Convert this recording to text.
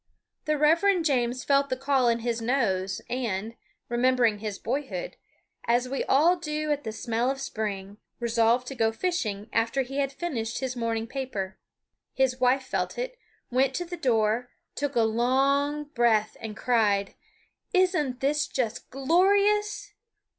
The Reverend James felt the call in his nose and, remembering his boyhood, as we all do at the smell of spring, resolved to go fishing after he had finished his morning paper. His wife felt it, went to the door, took a long breath and cried, "Isn't this just glorious!"